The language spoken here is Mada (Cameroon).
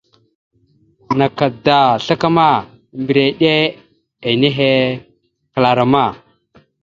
Naka da slakama, mbəra iɗe nehe kəla rama.